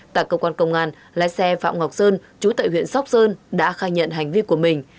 tại cơ quan công an lái xe phạm ngọc sơn chú tại huyện sóc sơn đã khai nhận hành vi của mình